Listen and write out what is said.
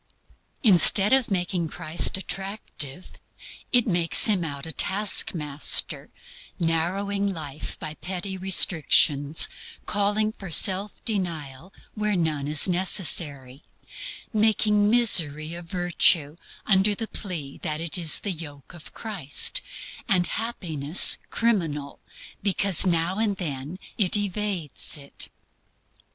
Instead of making Christ attractive, it makes Him out a taskmaster, narrowing life by petty restrictions, calling for self denial where none is necessary, making misery a virtue under the plea that it is the yoke of Christ, and happiness criminal because it now and then evades it.